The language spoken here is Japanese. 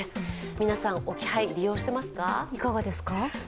皆さん置き配、利用していますか？